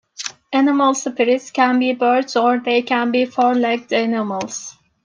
Animal spirits can be birds or they can be four-legged animals.